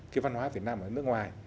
cái văn hóa việt nam ở nước ngoài